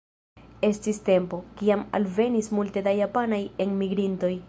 Estis tempo, kiam alvenis multe da japanaj enmigrintoj.